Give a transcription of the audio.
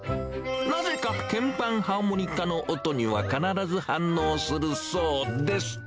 なぜか鍵盤ハーモニカの音には必ず反応するそうです。